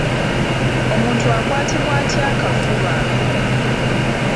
Omuntu akwatibwa atya akafuba?